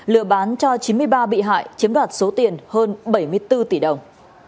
lừa bán cho chín mươi ba bị hại chiếm đoạt số tiền hơn bảy mươi bốn tỷ đồng